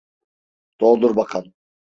Doldur bakalım.